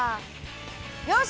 よし！